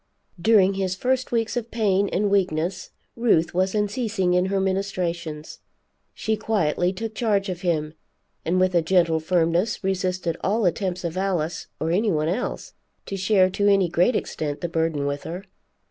During his first weeks of pain and weakness, Ruth was unceasing in her ministrations; she quietly took charge of him, and with a gentle firmness resisted all attempts of Alice or any one else to share to any great extent the burden with her.